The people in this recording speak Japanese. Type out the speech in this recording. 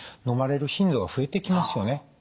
のまれる頻度が増えてきますよね。